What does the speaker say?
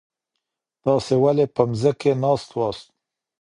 تاسي ولي په مځکي ناست سواست؟